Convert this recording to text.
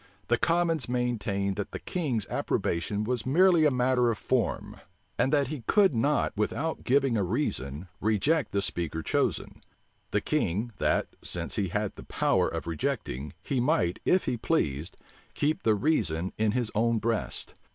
The commons maintained, that the king s approbation was merely a matter of form, and that he could not without giving a reason, reject the speaker chosen; the king, that, since he had the power of rejecting, he might, if he pleased, keep the reason in his own breast.